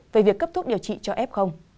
về việc cấp thuốc điều trị cho f